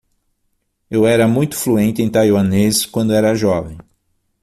Eu era muito fluente em taiwanês quando era jovem.